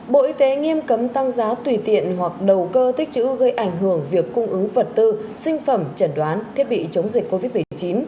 bộ y tế nghiêm cấm tăng giá tùy tiện hoặc đầu cơ tích chữ gây ảnh hưởng việc cung ứng vật tư sinh phẩm chẩn đoán thiết bị chống dịch covid một mươi chín